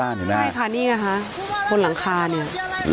แล้วน้ำซัดมาอีกละรอกนึงนะฮะจนในจุดหลังคาที่เขาไปเกาะอยู่เนี่ย